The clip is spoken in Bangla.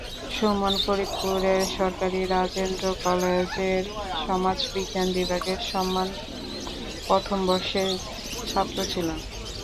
সুমন ফরিদপুরের সরকারি রাজেন্দ্র কলেজের সমাজবিজ্ঞান বিভাগের সম্মান প্রথম বর্ষের ছাত্র ছিলেন।